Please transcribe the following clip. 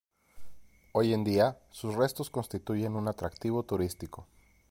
Hoy en día sus restos constituyen un atractivo turístico.